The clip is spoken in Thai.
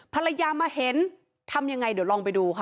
ภรรยามาเห็นทำยังไงเดี๋ยวลองไปดูค่ะ